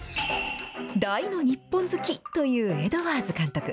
大の日本好きというエドワーズ監督。